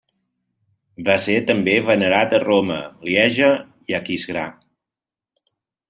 Va ser també venerat a Roma, Lieja i Aquisgrà.